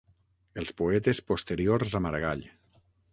Els poetes posteriors a Maragall.